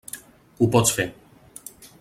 Ho pots fer.